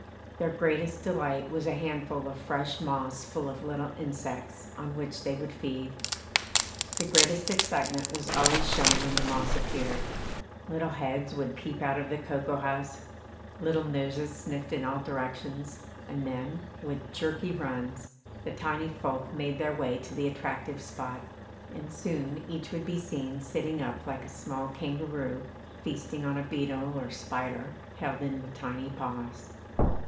Their greatest delight was a handful of fresh moss full of little insects on which they would feed. The greatest excitement was always shown when the moss appeared little heads would peep out of the cocoa husk, little noses sniffed in all directions, and then, with jerky runs, the tiny folk made their way to the attractive spot, and soon each would be seen sitting up like a small kangaroo feasting on a beetle or spider held in the tiny paws.